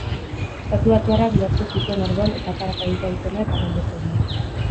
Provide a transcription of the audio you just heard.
Estatubatuarrak lortu zituen orduan etapa garaipena eta maillot horia.